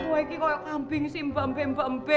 wah ini kok yang ngambing sih mba mba mba mba